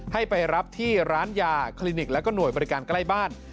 ให้ไปรับที่ร้านยาคลินิกและก็หน่วยบริการใกล้บ้าน